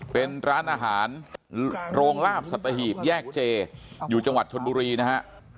เป็นร้านอาหารโรงลาบสัตหีบแยกเจอยู่จังหวัดชนบุรีนะฮะ